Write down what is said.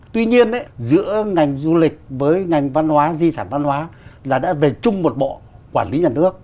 tuy nhiên giữa ngành du lịch với ngành văn hóa di sản văn hóa là đã về chung một bộ quản lý nhà nước